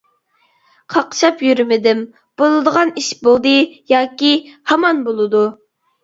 قاقشاپ يۈرمىدىم، بولىدىغان ئىش بولدى ياكى ھامان بولىدۇ.